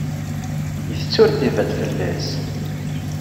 Itett ur d-iban fell-as.